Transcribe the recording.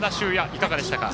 いかがでしたか。